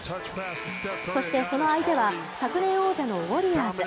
そして、その相手は昨年王者のウォリアーズ。